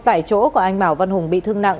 tại chỗ của anh bảo văn hùng bị thương nặng